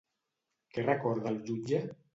Què recorda el jutge?